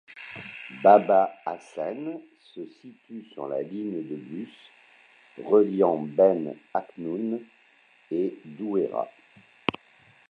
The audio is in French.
Baba Hassen se situe sur la ligne de bus reliant Ben Aknoun et Douéra.